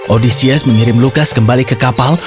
odsias mengirim lukas kembali ke kapal